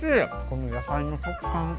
この野菜の食感。